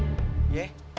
orang pengen bayi aneh